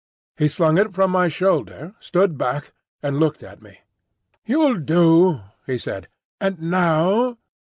He slung it from my shoulder, stood back and looked at me. "You'll do," he said. "And now?"